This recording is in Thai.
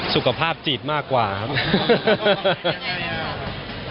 สุขภาพจิตมากกว่าครับ